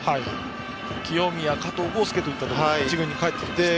清宮加藤豪将といったところが１軍に帰ってきました。